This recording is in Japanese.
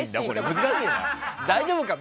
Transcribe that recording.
難しいな。